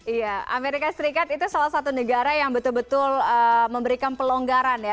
iya amerika serikat itu salah satu negara yang betul betul memberikan pelonggaran ya